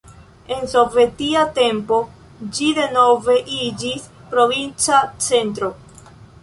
En sovetia tempo ĝi denove iĝis provinca centro.